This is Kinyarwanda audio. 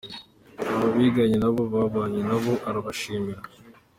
Abo biganye nabo babanye nabo arabashimira.